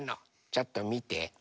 ちょっとみて。